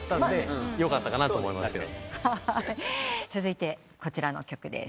続いてこちらの曲です。